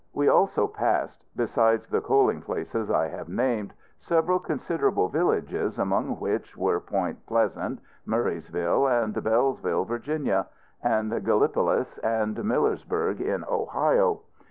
We also passed, besides the coaling places I have named, several considerable villages, among which were Point Pleasant, Murraysville, and Belleville, Virginia; and Gallipolis and Millersburg in Ohio.